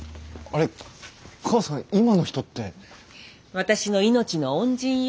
私の命の恩人よ。